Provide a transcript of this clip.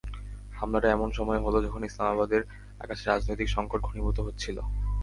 হামলাটা এমন সময়ে হলো, যখন ইসলামাবাদের আকাশে রাজনৈতিক সংকট ঘনীভূত হচ্ছিল।